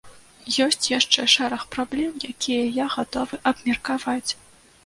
Ёсць яшчэ шэраг праблем, якія я гатовы абмеркаваць.